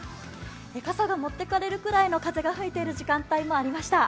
傘が持っていかれるくらいの風が吹いている時間帯もありました。